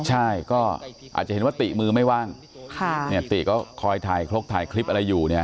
ใช่อาจจะเห็นว่าติมือไม่ว่างติก็คอยถ่ายคลิปอะไรอยู่